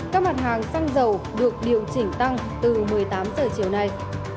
các mặt hàng xăng dầu được điều chỉnh tăng từ một mươi tám giờ chiều nay